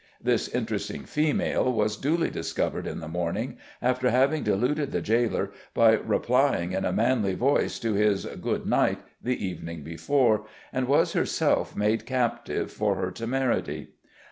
This interesting female was duly discovered in the morning, after having deluded the jailer by replying in a manly voice to his "good night" the evening before, and was herself made captive for her temerity.